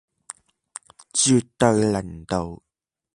絕對零度